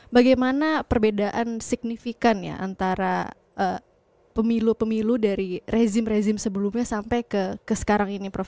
bagaimana perbedaan signifikan ya antara pemilu pemilu dari rezim rezim sebelumnya sampai ke sekarang ini prof